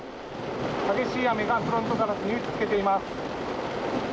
激しい雨がフロントガラスに打ちつけています。